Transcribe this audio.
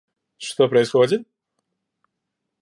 Что происходит?